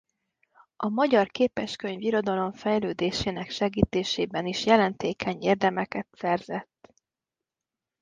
A magyar képeskönyv-irodalom fejlődésének segítésében is jelentékeny érdemeket szerzett.